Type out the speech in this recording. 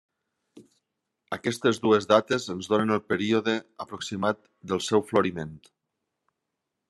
Aquestes dues dates ens donen el període aproximat del seu floriment.